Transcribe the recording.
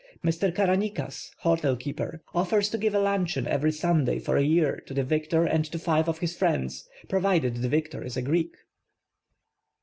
Mr. Karanikas, hotelkeeper, offers to give a luncheon every Sunday for a year to the victor and to five of his friends, provided the victor is a Greek.